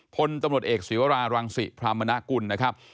พลตำรวจเอกศิวรารังศิพรามณกุลนะครับ